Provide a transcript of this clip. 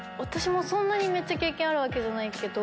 そんなにめっちゃ経験あるわけじゃないけど。